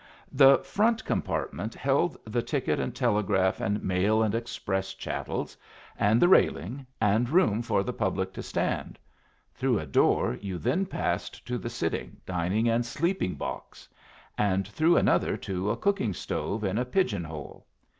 The front compartment held the ticket and telegraph and mail and express chattels, and the railing, and room for the public to stand; through a door you then passed to the sitting, dining, and sleeping box; and through another to a cooking stove in a pigeon hole.